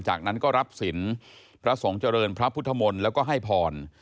จากนั้นก็รับศิลป์พระสงฆ์เจริญพระพุทธมนตร์แล้วก็ให้พร